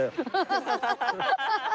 ハハハハハ！